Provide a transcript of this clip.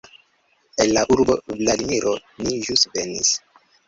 El la urbo Vladimiro ni ĵus venis!